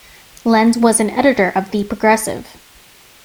Lens was an editor of "The Progressive".